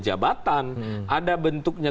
jabatan ada bentuknya